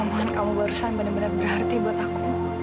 bukan kamu barusan benar benar berarti buat aku